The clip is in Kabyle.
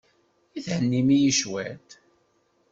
I thennim-iyi cwiṭ?